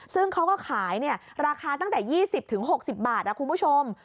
ซึ่งเขาก็ขายราคาตั้งแต่๒๐๖๐บาทคุณผู้ชม